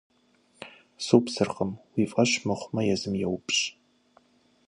- Супсыркъым. Уи фӏэщ мыхъумэ, езым еупщӏ.